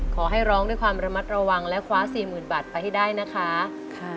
ขอให้ร้องด้วยความระมัดระวังและคว้าสี่หมื่นบาทไปให้ได้นะคะ